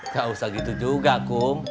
gak usah gitu juga kum